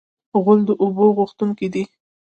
غول د اوبو غوښتونکی دی.